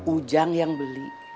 ujang yang beli